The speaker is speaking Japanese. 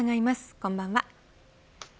こんばんは。